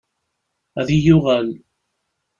Ad iyi-yuɣal.